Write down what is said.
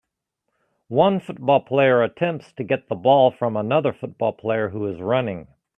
One football player attempts to get the ball from another football player who is running.